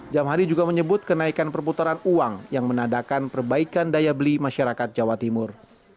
jamhari juga menyebut kenaikan perputaran uang yang menadakan perbaikan daya beli masyarakat jawa timur